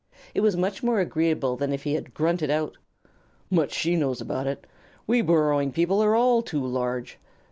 It was much more agreeable than if he had grunted out, "Much she knows about it! We burrowing people are all too large."